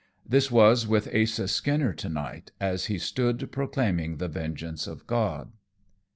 This was with Asa Skinner to night, as he stood proclaiming the vengeance of God.